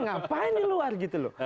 ngapain di luar gitu loh